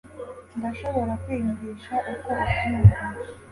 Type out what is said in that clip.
ndashobora kwiyumvisha uko ubyumva